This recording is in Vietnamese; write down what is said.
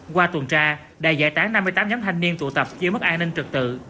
qua tuần tra đài giải tán năm mươi tám nhóm thanh niên tụ tập dưới mức an ninh trực tự